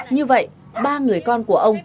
như vậy ba người con của ông